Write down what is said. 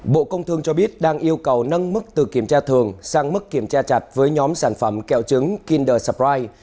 bộ công thương cho biết đang yêu cầu nâng mức từ kiểm tra thường sang mức kiểm tra chặt với nhóm sản phẩm kẹo trứng kinderspride